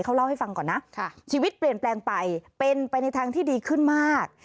เขาเล่าให้ฟังก่อนนะชีวิตเปลี่ยนแปลงไปเป็นไปในทางที่ดีขึ้นมาก